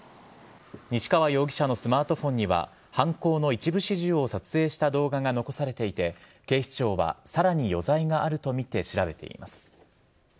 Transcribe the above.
西川容疑者のスマートフォンには犯行の一部始終を撮影した動画が残されていて警視庁はさらに余罪があるとみて調べています。